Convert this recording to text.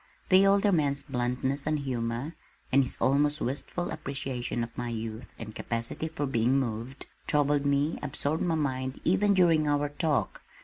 The older man's bluntness and humor, and his almost wistful appreciation of my youth and capacity for being moved, troubled me, absorbed my mind even during our talk.